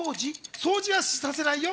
掃除はさせないよ。